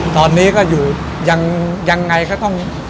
ตอนนี้ก็อยู่ยังไงก็ต้อง